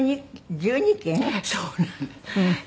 そうなんです。